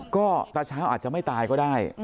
ก็ตาเช้าอาจจะไม่ตายก็ได้